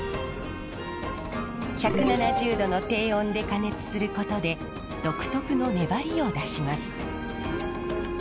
１７０℃の低温で加熱することで独特の粘りを出します。